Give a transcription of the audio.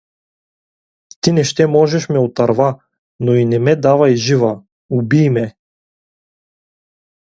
Ти не ще можеш ме отърва, но и не ме давай жива… убий ме!